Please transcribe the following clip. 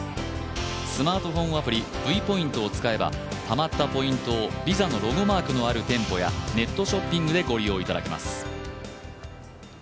スマートフォンアプリＶポイントを使えばたまったポイントをＶＩＳＡのロゴマークのある店舗やネットショッピングでご利用いただけます。